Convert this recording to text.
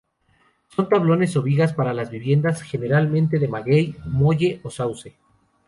Son tablones o vigas para las viviendas, generalmente de maguey, molle o sauce.